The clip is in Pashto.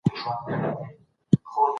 ناپوهي د فقر لامل ده که زبېښاک؟